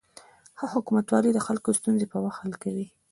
ښه حکومتولي د خلکو ستونزې په وخت حل کوي.